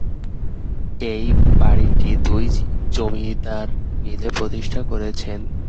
এই বাড়িটি দুই জমিদার মিলে প্রতিষ্ঠা করেছেন।